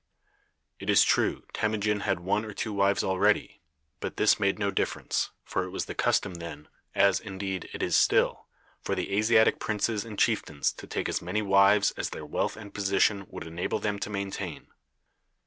It is true, Temujin had one or two wives already; but this made no difference, for it was the custom then, as, indeed, it is still, for the Asiatic princes and chieftains to take as many wives as their wealth and position would enable them to maintain.